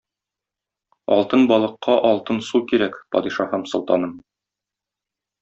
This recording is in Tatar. Алтын балыкка алтын су кирәк, падишаһым-солтаным.